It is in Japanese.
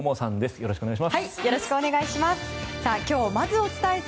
よろしくお願いします。